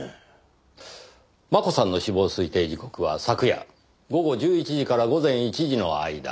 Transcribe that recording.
真子さんの死亡推定時刻は昨夜午後１１時から午前１時の間。